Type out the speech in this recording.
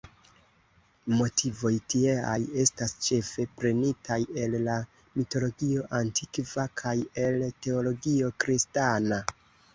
Motivoj tieaj estas ĉefe prenitaj el la mitologio antikva kaj el teologio kristana.